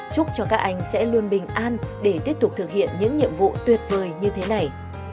chúc cho các anh sẽ luôn bình an để tiếp tục thực hiện những nhiệm vụ tuyệt vời như thế này